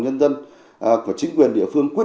nhân dân của chính quyền địa phương quyết